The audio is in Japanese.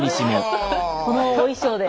このお衣装で。